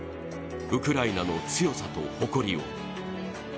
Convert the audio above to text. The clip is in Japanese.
ウクライナの強さと誇りを。